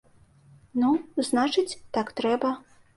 Ну, значыць так трэба.